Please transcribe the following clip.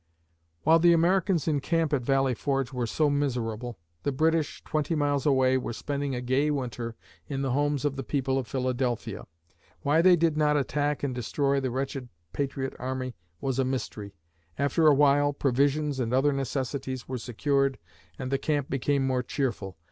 While the Americans in camp at Valley Forge were so miserable, the British, twenty miles away, were spending a gay winter in the homes of the people of Philadelphia. Why they did not attack and destroy the wretched patriot army was a mystery. After awhile, provisions and other necessities were secured and the camp became more cheerful.